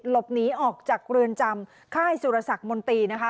หลบหนีออกจากเรือนจำค่ายสุรสักมนตรีนะคะ